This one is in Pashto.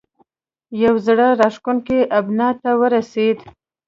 یوه زړه راښکونې ابنا ته ورسېد.